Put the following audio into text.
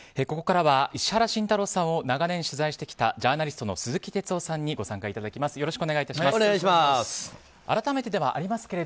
ここからは石原慎太郎さんを長年取材してきたジャーナリストの鈴木哲夫さんにご参加いただきます。